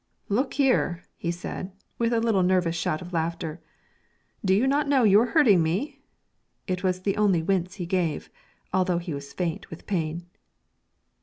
'Look here,' he said, with a little nervous shout of laughter, 'do you not know you are hurting me?' It was the only wince he gave, although he was faint with pain.